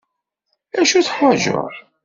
Acu teḥwaǧeḍ?